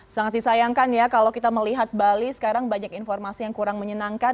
sangat disayangkan ya kalau kita melihat bali sekarang banyak informasi yang kurang menyenangkan